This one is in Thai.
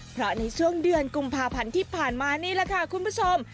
เพราะในช่วงเดือนกุมภาพันธ์ที่ผ่านมานี่แหละค่ะคุณผู้ชม